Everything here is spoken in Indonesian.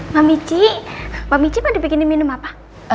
mami cik mami cik mau dibikinin minum apa